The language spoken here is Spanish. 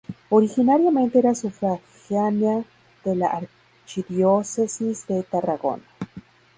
Originariamente era sufragánea de la archidiócesis de Tarragona.